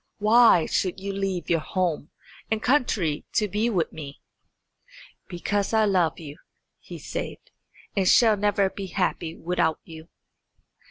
Why should you leave your home and country to be with me?" "Because I love you," he said, "and shall never be happy without you."